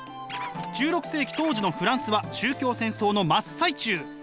１６世紀当時のフランスは宗教戦争の真っ最中。